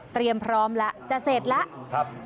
เตรียมพร้อมจะเสร็จแล้ว